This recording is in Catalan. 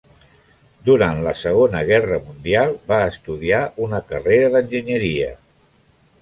Durant la Segona Guerra Mundial va estudiar una carrera d'enginyeria.